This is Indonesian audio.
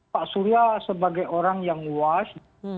pak surya sebagai orang yang luas